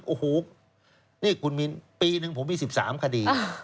โอ้โหนี่คุณมินปีหนึ่งผมมี๑๓คดี